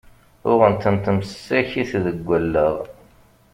Uɣen-tent msakit deg allaɣ!